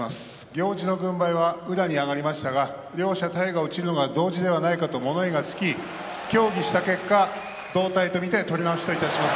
行司の軍配は宇良に上がりましたが両者、体が落ちるのが同時ではないかと物言いがつき協議した結果、同体と見て取り直しといたします。